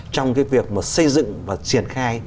trong cái việc mà xây dựng và triển khai